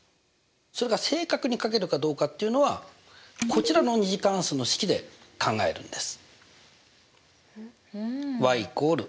それが正確にかけるかどうかっていうのはこちらの２次関数の式で考えるんです。